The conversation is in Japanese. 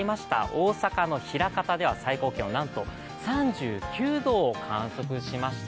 大阪の枚方では最高気温なんと３９度を観測しました。